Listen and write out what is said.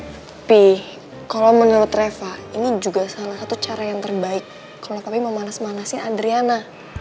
tapi kalau menurut reva ini juga salah satu cara yang terbaik kalau kami memanas manasin adriana